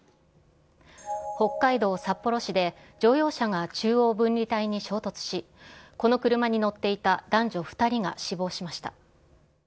北海道札幌市で乗用車が中央分離帯に衝突し、この車に乗っていた男女２人が死亡しました。